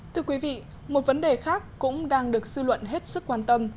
thưa quý vị một vấn đề khác cũng đang được sư luận hết sức quan tâm